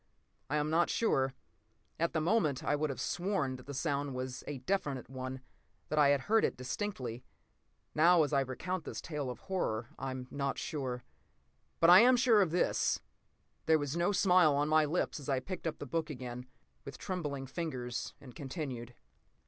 I am not sure. At the moment, I would have sworn that the sound was a definite one, that I had heard it distinctly. Now, as I recount this tale of horror, I am not sure. But I am sure of this: There was no smile on my lips as I picked up the book again with trembling fingers and continued.